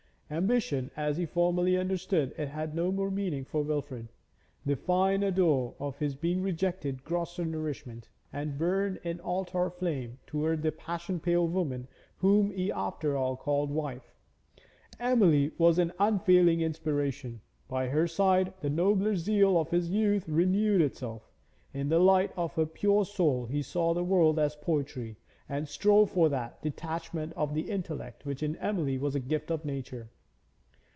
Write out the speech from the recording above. Ambition as he formerly understood it had no more meaning for Wilfrid; the fine ardour of his being rejected grosser nourishment and burned in altar flame towards the passion pale woman whom he after all called wife. Emily was an unfailing inspiration; by her side the nobler zeal of his youth renewed itself; in the light of her pure soul he saw the world as poetry and strove for that detachment of the intellect which in Emily was a gift of nature.